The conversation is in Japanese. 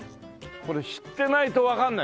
これ知ってないとわからない。